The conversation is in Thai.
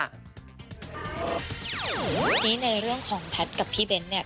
อันนี้ในเรื่องของแพทย์กับพี่เบนท์